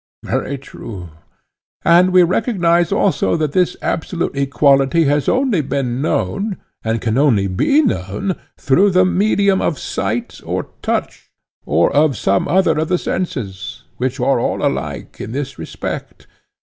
Very true. And we recognize also that this absolute equality has only been known, and can only be known, through the medium of sight or touch, or of some other of the senses, which are all alike in this respect?